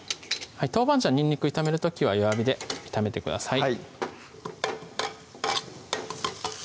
豆板醤・にんにく炒める時は弱火で炒めてください